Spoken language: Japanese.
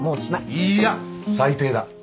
いいや最低だ。